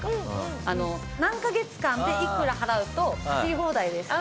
何カ月間でいくら払うと走り放題ですって。